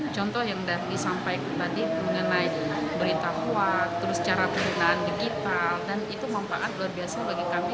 contoh yang tadi disampaikan mengenai berita kuat terus cara perjalanan digital dan itu mempaat luar biasa bagi kami